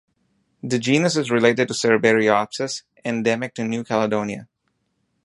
The genus is related to "Cerberiopsis", endemic to New Caledonia.